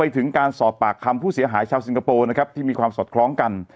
ถึงการสอบปากคำผู้เสียหายชาวสิงคโปร์นะครับที่มีความสอดคล้องกัน